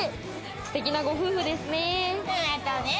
すてきなご夫婦ですね。